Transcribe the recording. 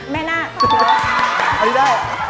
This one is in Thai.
แม่หน้า